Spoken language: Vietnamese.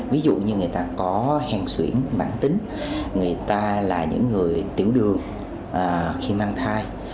ví dụ như người ta có hèn xuyễn bản tính người ta là những người tiểu đường khi mang thai